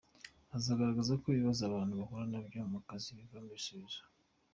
Azagaragaza ko ibibazo abantu bahura na byo mu kazi bivamo ibisubizo.